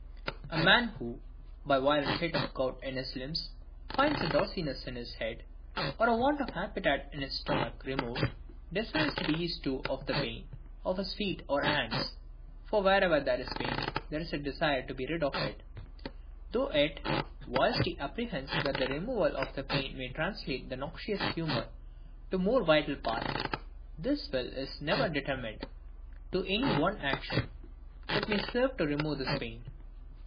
A man who, by a violent fit of the gout in his limbs, finds a doziness in his head, or a want of appetite in his stomach removed, desires to be eased too of the pain of his feet or hands, (for wherever there is pain, there is a desire to be rid of it,) though yet, whilst he apprehends that the removal of the pain may translate the noxious humour to a more vital part, his will is never determined to any one action that may serve to remove this pain.